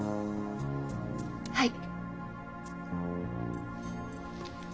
はい。